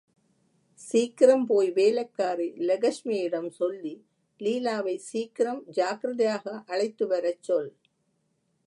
சீக்கிரம்போய் வேலைக்காரி லெகஷ்மியிடம் சொல்லி லீலாவை சீக்கிரம் ஜாக்கிரதையாக அழைத்துவரச் சொல்.